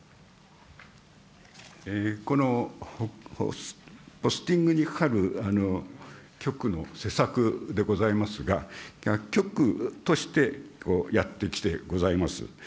このポスティングにかかる局の施策でございますが、局としてやってきてございます。